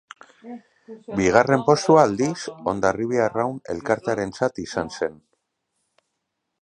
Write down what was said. Bigarren postua, aldiz, Hondarribia Arraun Elkartearentzat izan zen.